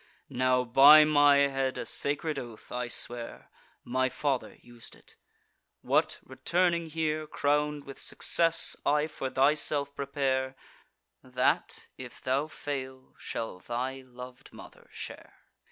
Now by my head, a sacred oath, I swear, (My father us'd it,) what, returning here Crown'd with success, I for thyself prepare, That, if thou fail, shall thy lov'd mother share."